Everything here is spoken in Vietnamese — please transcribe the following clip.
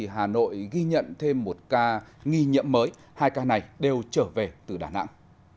hà nội ghi nhận thêm một ca nghi nhiễm mới hai ca này đều trở về từ đà nẵng